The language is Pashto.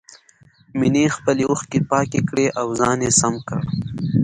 مينې خپلې اوښکې پاکې کړې او ځان يې سم کړ.